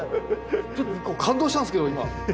ちょっと感動したんですけど今。